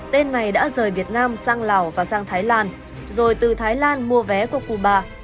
tên này đã rời việt nam sang lào và sang thái lan rồi từ thái lan mua vé qua cuba